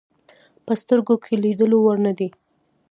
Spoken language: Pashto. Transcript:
په سترګو د لیدلو وړ نه دي.